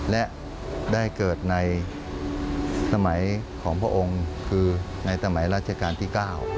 และได้เกิดในสมัยของพระองค์คือในสมัยราชการที่๙